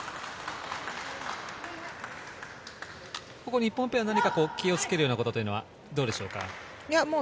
日本ペア、何か気をつけることはどうでしょうか？